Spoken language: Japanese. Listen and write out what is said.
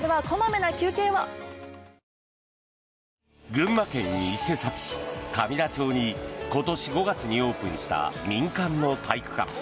群馬県伊勢崎市上田町に今年５月にオープンした民間の体育館。